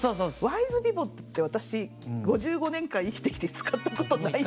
ワイズピボットって私５５年間生きてきて使ったことないんですけど。